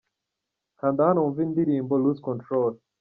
Kanda hano wumve indirimbo 'Loose control' .